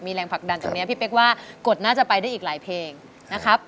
แรงผลักดันตรงนี้พี่เป๊กว่ากฎน่าจะไปได้อีกหลายเพลงนะครับ